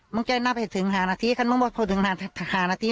มึงจะนับให้ถึงห้านาทีข้ามันว่าพอถึงห้าห้านาที